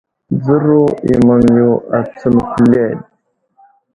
Dzəro i maŋ yo a tsəŋ kuleɗ.